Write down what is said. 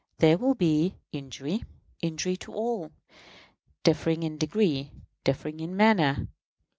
There will be injury injury to all; differing in degree, differing in manner.